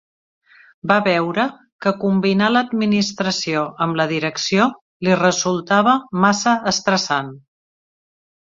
Va veure que combinar l'administració amb la direcció li resultava massa estressant.